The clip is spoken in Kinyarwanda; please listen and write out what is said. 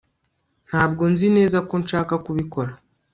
ntabwo nzi neza ko nshaka kubikora